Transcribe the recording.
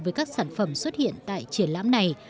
với các sản phẩm xuất hiện tại triển lãm này